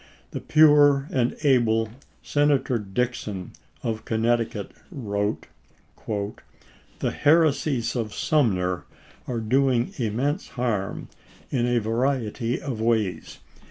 The pure and able Senator Dixon of Connecticut wrote: "The heresies of Sumner are doing immense harm in a variety of ways.